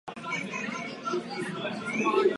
Loď Lužnice patří k nejkrásnějším lodím v Praze na Vltavě.